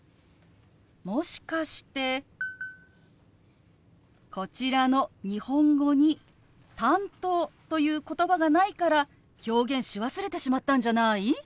もしかしてこちらの日本語に「担当」という言葉がないから表現し忘れてしまったんじゃない？